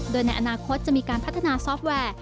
โดยในอนาคตจะมีการพัฒนาซอฟต์แวร์